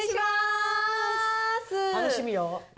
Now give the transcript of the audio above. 楽しみよ。